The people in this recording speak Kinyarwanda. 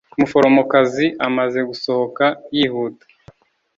umuforomokazi amaze gusohoka yihuta